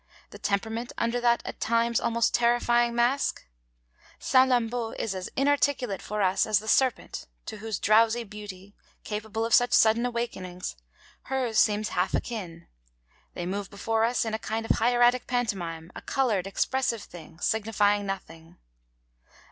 the temperament under that at times almost terrifying mask? Salammbô is as inarticulate for us as the serpent, to whose drowsy beauty, capable of such sudden awakenings, hers seems half akin; they move before us in a kind of hieratic pantomime, a coloured, expressive thing, signifying nothing.